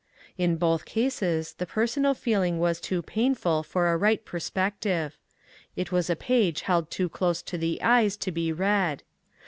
In both cases the personal feeling was too painful for a right perspective ; it was a page held too close to the eyes to be read.